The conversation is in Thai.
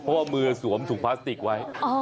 เพราะว่ามือสวมถุงพลาสติกไว้